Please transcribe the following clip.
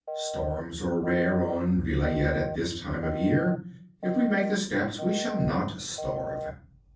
Storms are rare on Vilayet at this time of year. If we make the steppes, we shall not starve.